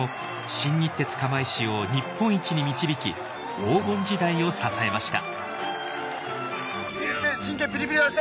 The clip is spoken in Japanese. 新日鉄釜石を日本一に導き黄金時代を支えました。